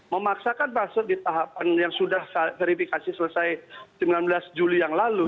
memaksakan password di tahapan yang sudah verifikasi selesai sembilan belas juli yang lalu